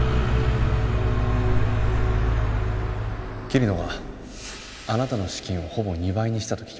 桐野があなたの資金をほぼ２倍にしたと聞きました。